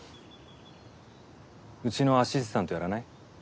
うちのアシスタントやらない？